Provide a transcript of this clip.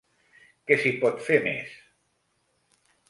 Què s’hi pot fer més?